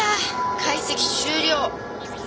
解析終了。